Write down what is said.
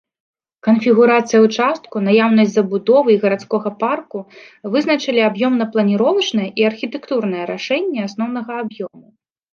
Канфігурацыя ўчастку, наяўнасць забудовы і гарадскога парку вызначылі аб'ёмна-планіровачнае і архітэктурнае рашэнне асноўнага аб'ёму.